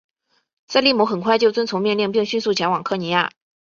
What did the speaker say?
塞利姆很快就遵从命令并迅速前往科尼亚。